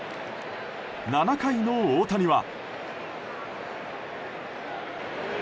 ７回の大谷は。